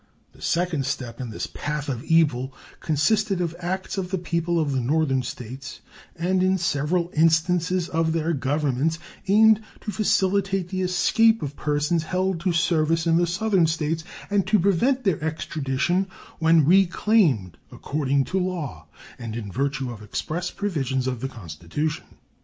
The second step in this path of evil consisted of acts of the people of the Northern States, and in several instances of their governments, aimed to facilitate the escape of persons held to service in the Southern States and to prevent their extradition when reclaimed according to law and in virtue of express provisions of the Constitution.